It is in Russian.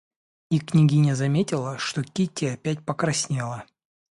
И княгиня заметила, что Кити опять покраснела.